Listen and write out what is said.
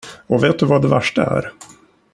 Och vet du vad det värsta är?